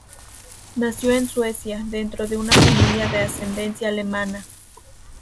Nació en Suecia, dentro de una familia de ascendencia alemana.